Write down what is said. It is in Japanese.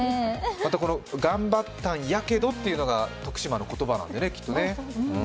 また、「頑張ったんやけど」というのが徳島の言葉なんでしょうね。